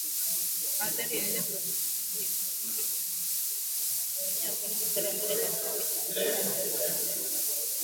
Hatari iliyoje Kinjekitile mwenyewe hakwenda mstari wa mbele katika vita halisi